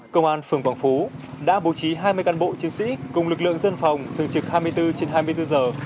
công an phường quảng phú đã bố trí hai mươi cán bộ chiến sĩ cùng lực lượng dân phòng thường trực hai mươi bốn trên hai mươi bốn giờ